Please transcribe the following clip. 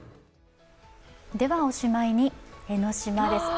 ではおしまいに江の島です。